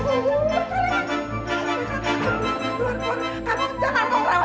eh siapa tau